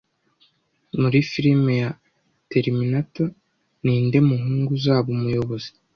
Muri firime ya Terminator ninde muhungu uzaba umuyobozi